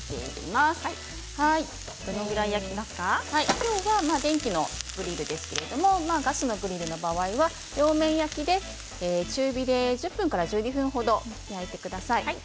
今日は電気のグリルですけどガスのグリルの場合は両面焼きで中火で１０分から１２分程焼いてください。